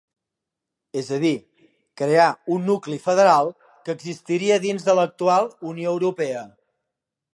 És a dir, crear un nucli federal que existiria dins de l'actual Unió Europea.